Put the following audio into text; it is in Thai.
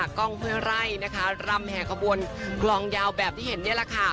กล้องห้วยไร่นะคะรำแห่ขบวนกลองยาวแบบที่เห็นนี่แหละค่ะ